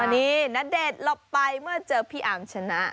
นี่ณเดชน์หลบไปเมื่อเจอพี่อาร์มชนะ